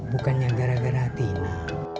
bukannya gara gara tina